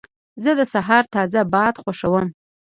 زه د سهار تازه باد خوښوم.